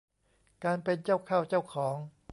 การเป็นเจ้าเข้าเจ้าของ